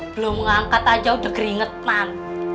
blom ngangkat aja udah keringet man